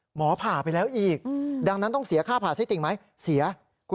ผ่าไปแล้วอีกดังนั้นต้องเสียค่าผ่าไส้ติ่งไหมเสีย